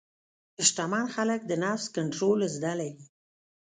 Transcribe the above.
شتمن خلک د نفس کنټرول زده لري.